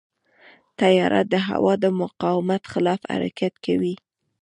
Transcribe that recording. طیاره د هوا د مقاومت خلاف حرکت کوي.